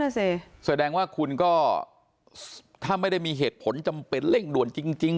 สิแสดงว่าคุณก็ถ้าไม่ได้มีเหตุผลจำเป็นเร่งด่วนจริง